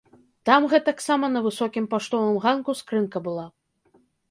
Там гэтаксама на высокім паштовым ганку скрынка была.